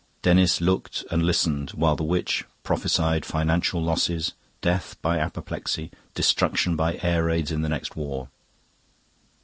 Denis looked and listened while the witch prophesied financial losses, death by apoplexy, destruction by air raids in the next war.